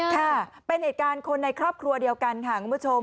ค่ะเป็นเหตุการณ์คนในครอบครัวเดียวกันค่ะคุณผู้ชม